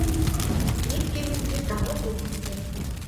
Нэг гэм нь тэр дагавар хүүхэдтэй.